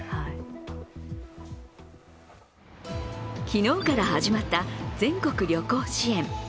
昨日から始まった全国旅行支援。